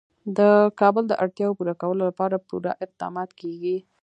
د کابل د اړتیاوو پوره کولو لپاره پوره اقدامات کېږي.